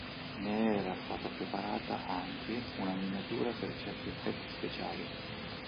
Ne era stata preparata anche una miniatura per certi effetti speciali.